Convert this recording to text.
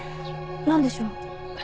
何でしょう？